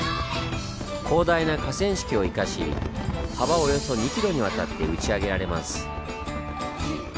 広大な河川敷を生かし幅およそ２ｋｍにわたって打ち上げられます。